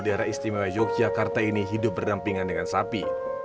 daerah istimewa yogyakarta ini hidup berdampingan dengan sapi